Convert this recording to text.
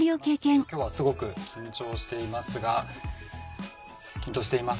今日はすごく緊張していますが緊張しています。